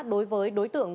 đối với đối tượng